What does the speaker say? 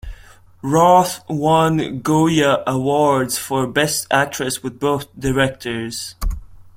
Roth won Goya Awards for Best Actress with both directors.